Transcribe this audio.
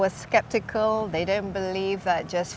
mereka tidak percaya bahwa hanya untuk